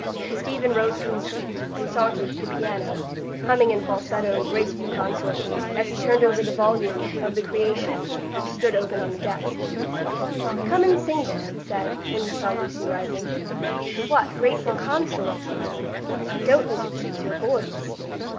Stephen rose from his seat, and sauntered to the piano, humming in falsetto, "Graceful Consort," as he turned over the volume of "The Creation," which stood open on the desk. "Come and sing this," he said, when he saw Lucy rising. "What, 'Graceful Consort'? I don't think it suits your voice."